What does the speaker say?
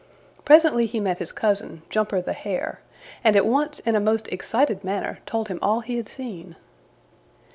Presently he met his cousin, Jumper the Hare, and at once in a most excited manner told him all he had seen.